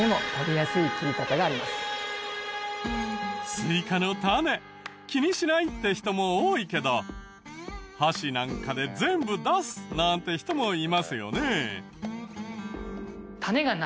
スイカの種気にしないって人も多いけど箸なんかで全部出すなんて人もいますよね。